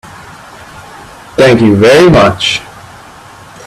Thank you very much.